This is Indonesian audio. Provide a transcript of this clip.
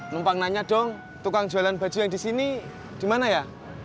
numpang nanya dong tukang jualan baju yang di sini di mana ya